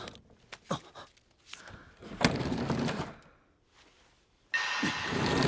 あっ。くっ。